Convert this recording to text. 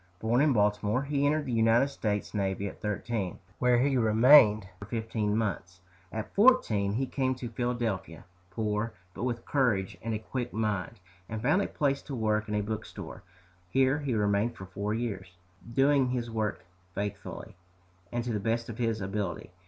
Born in Baltimore, he entered the United States navy at thirteen, where he remained for fifteen months. At fourteen he came to Philadelphia, poor, but with courage and a quick mind, and found a place to work in a bookstore. Here he remained for four years, doing his work faithfully, and to the best of his ability.